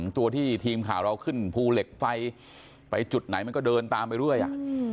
ตัวที่ทีมข่าวเราขึ้นภูเหล็กไฟไปจุดไหนมันก็เดินตามไปเรื่อย